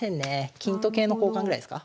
金と桂の交換ぐらいですか。